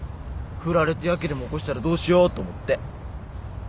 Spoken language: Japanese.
振られてやけでも起こしたらどうしようと思って。